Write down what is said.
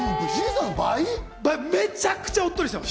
めちゃくちゃおっとりしてます。